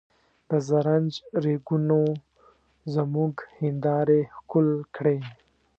د زرنج ریګونو زموږ هندارې ښکل کړې.